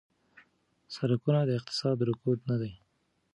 سرکونه د اقتصاد رګونه دي.